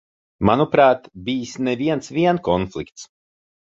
Manuprāt, bijis ne viens vien konflikts.